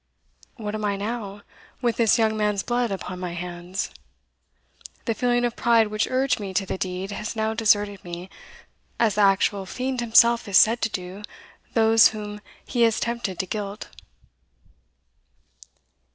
What am I now, with this young man's blood upon my hands? the feeling of pride which urged me to the deed has now deserted me, as the actual fiend himself is said to do those whom he has tempted to guilt."